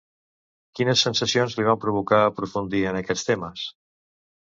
Quines sensacions li van provocar aprofundir en aquests temes?